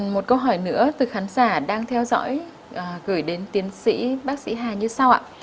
một câu hỏi nữa từ khán giả đang theo dõi gửi đến tiến sĩ bác sĩ hà như sau ạ